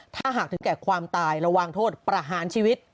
ถ้าหากถึงแก่ความตายระวังโทษประหารชีวิต